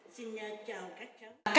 xin chào các cháu